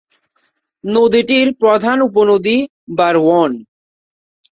নদীটির প্রধান উপনদী বারওয়ন।